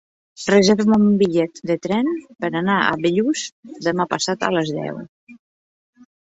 Reserva'm un bitllet de tren per anar a Bellús demà passat a les deu.